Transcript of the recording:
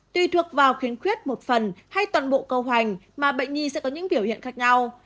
tùy thuộc vào khuyến khuyết một phần hay toàn bộ câu hoành mà bệnh nhi sẽ có những biểu hiện khác nhau